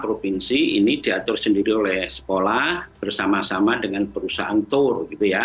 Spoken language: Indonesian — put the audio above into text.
provinsi ini diatur sendiri oleh sekolah bersama sama dengan perusahaan tur